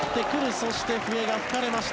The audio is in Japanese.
そして、笛が吹かれました。